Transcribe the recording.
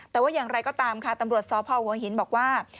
แต่ว่าอย่างไรก็ตามค่ะตำรวจสพหัวหินบอกว่า